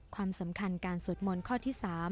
ความสำคัญการสวดมนต์ข้อที่๓